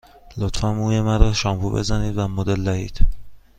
لطفاً موی مرا شامپو بزنید و مدل دهید.